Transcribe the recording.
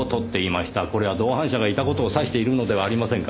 これは同伴者がいた事を指しているのではありませんかね。